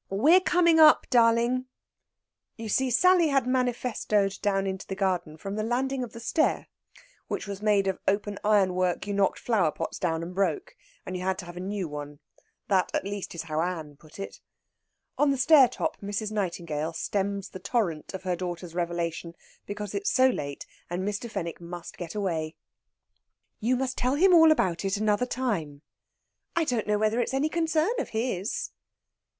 "We're coming up, darling!" You see, Sally had manifestoed down into the garden from the landing of the stair, which was made of iron openwork you knocked flower pots down and broke, and you have had to have a new one that, at least, is how Ann put it. On the stair top Mrs. Nightingale stems the torrent of her daughter's revelation because it's so late and Mr. Fenwick must get away. "You must tell him all about it another time." "I don't know whether it's any concern of his."